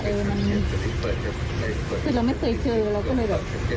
สิ่งที่เราไม่เคยเจอเราก็เลยแบบ